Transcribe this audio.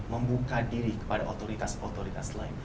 membuka diri kepada otoritas otoritas lain